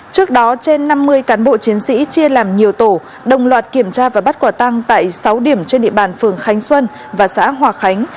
trước đó trên năm mươi cán bộ chiến sĩ chia làm nhiều tổ đồng loạt kiểm tra và bắt quả tăng tại sáu điểm trên địa bàn phường khánh xuân và xã hòa khánh